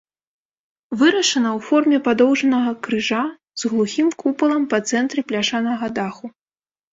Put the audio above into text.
Вырашана ў форме падоўжнага крыжа з глухім купалам па цэнтры бляшанага даху.